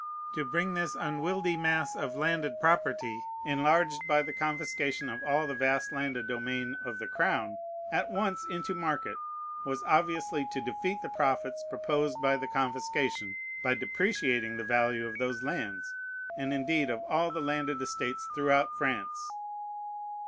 To bring this unwieldy mass of landed property, enlarged by the confiscation of all the vast landed domain of the crown, at once into market was obviously to defeat the profits proposed by the confiscation, by depreciating the value of those lands, and indeed of all the landed estates throughout France.